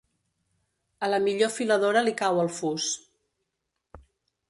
A la millor filadora li cau el fus.